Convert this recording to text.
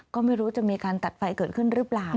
ก็ไม่รู้จะมีการตัดไฟเกิดขึ้นหรือเปล่า